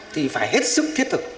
thì phải hết sức thiết thực